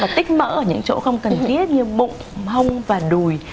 tích mỡ ở những chỗ không cần thiết như bụng hông và đùi